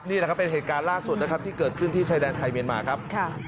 นี่แหละครับเป็นเหตุการณ์ล่าสุดนะครับที่เกิดขึ้นที่ชายแดนไทยเมียนมาครับ